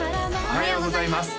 おはようございます